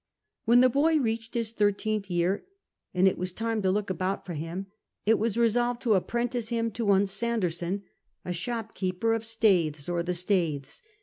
When the boy reached his thirteenth year, and it Avas time to look about for him, it was resolved to apprentice him to one Sanderson, a shopkeeiier of Staithes or The Staithes.